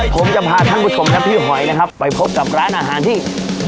ผมจะพาท่านผู้ชมและพี่หอยนะครับไปพบกับร้านอาหารที่